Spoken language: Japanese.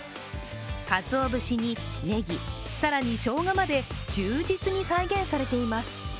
かつお節にねぎ、更にしょうがまで忠実に再現されています。